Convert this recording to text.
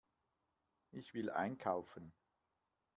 Ich will einkaufen.